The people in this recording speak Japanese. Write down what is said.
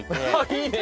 いいね。